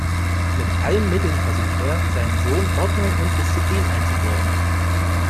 Mit allen Mitteln versucht er, seinem Sohn Ordnung und Disziplin einzubläuen.